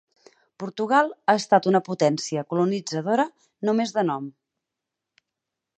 Portugal ha estat una potència colonitzadora només de nom.